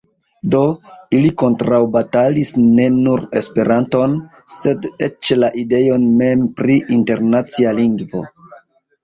Do, ili kontraŭbatalis ne nur Esperanton, sed eĉ la ideon mem pri internacia lingvo.